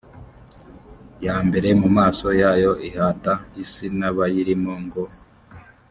ya mbere mu maso yayo ihata isi n abayirimo ngo